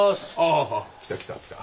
あっ来た来た来た。